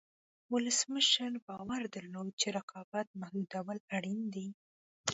ولسمشر باور درلود چې رقابت محدودول اړین دي.